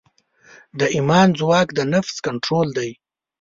د ایمان ځواک د نفس کنټرول دی.